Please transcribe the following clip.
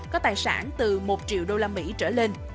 có tài sản từ một triệu usd trở lên